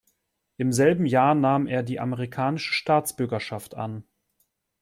Im selben Jahr nahm er die amerikanische Staatsbürgerschaft an.